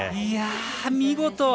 いやあ、見事。